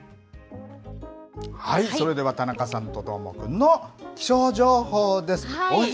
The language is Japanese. それでは田中さんとどーもくんの気象情報です。